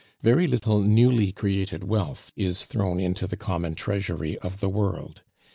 Very little newly created wealth is thrown into the common treasury of the world.